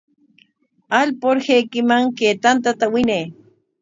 Alpurhaykiman kay tanta winay.